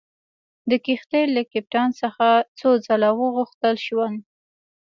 د کښتۍ له کپټان څخه څو ځله وغوښتل شول.